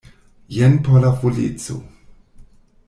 Jen por la voleco.